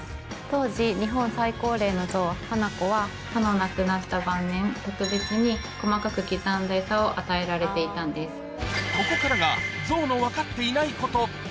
当時、日本最高齢のゾウ、はな子は、歯のなくなった晩年、特別に細かく刻んだ餌を与えられていたんでここからが、ゾウの分かっていないこと。